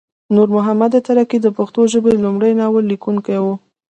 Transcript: نور محمد ترکی د پښتو ژبې لمړی ناول لیکونکی وه